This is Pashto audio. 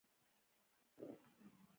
پینځوس سنټه